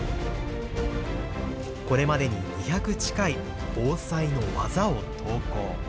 これまでに２００近い防災の技を投稿。